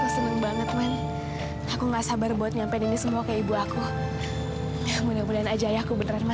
sampai jumpa di video selanjutnya